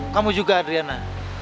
kamu juga adriana